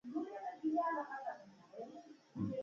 دا د مختلف قسمه ټېنشن له وجې راځی